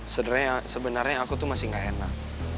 sebenarnya aku tuh masih gak enak